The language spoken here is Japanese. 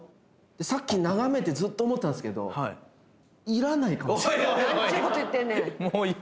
さっき眺めてずっと思ったんですけど、いらないかもしれない。